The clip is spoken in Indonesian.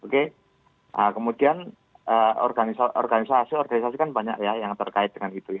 kemudian organisasi organisasi kan banyak yang terkait dengan itu